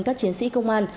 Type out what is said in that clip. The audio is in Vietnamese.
các chiến sĩ công an